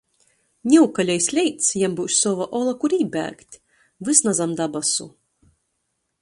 Niu, ka leis leits, jam byus sova ola, kur ībēgt. Vys na zam dabasu.